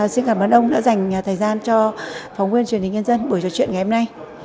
xin cảm ơn ông đã dành thời gian cho phóng viên truyền hình nhân dân buổi trò chuyện ngày hôm nay